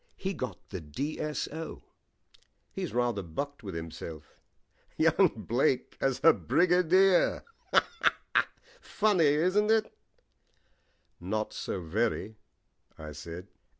He got the D.S.O. He's rather bucked with himself. Young Blake as a Brigadier funny, isn't it?" "Not so very," I said.